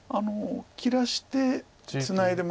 切らしてツナいで。